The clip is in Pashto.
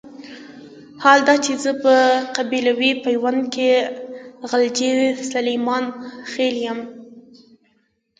حال دا چې زه په قبيلوي پيوند کې غلجی سليمان خېل يم.